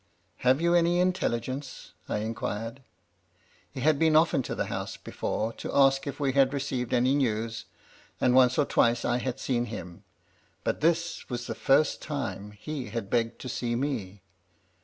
"' Have you any intelligence ?' I inquired. He had been often to the house before, to ask if we had re ceived any news ; and once or twice I had seen him, but this was the first time he had begged to see me.